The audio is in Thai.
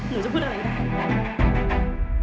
หนูจะพูดอะไรไม่ได้